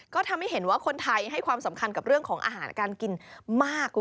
ก็ทำให้เห็นว่าคนไทยให้ความสำคัญกับเรื่องของอาหารการกินมาก